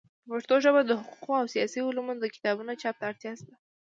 په پښتو ژبه د حقوقو او سیاسي علومو د کتابونو چاپ ته اړتیا سته.